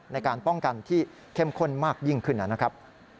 ในการป้องกันที่เข้มข้นมากยิ่งขึ้นนะครับ